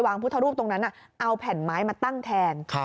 พุทธรูปตรงนั้นเอาแผ่นไม้มาตั้งแทน